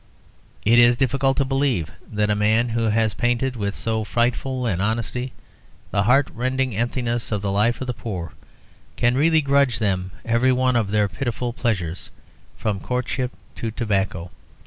It is difficult to believe that a man who has painted with so frightful an honesty the heartrending emptiness of the life of the poor can really grudge them every one of their pitiful pleasures, from courtship to tobacco.